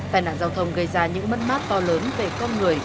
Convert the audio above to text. tài nạn giao thông gây ra những mất mát to lớn về con người